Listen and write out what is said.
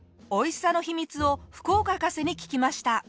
おいしさの秘密を福岡博士に聞きました。